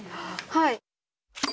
はい。